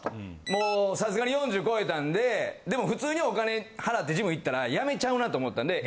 もうさすがに４０超えたんででも普通にお金払ってジム行ったら辞めちゃうなと思ったんで。